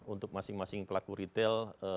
untuk masing masing pelaku retail